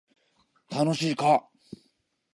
楽しいか